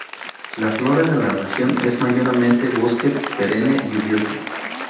La flora de la región es mayormente bosque perenne lluvioso.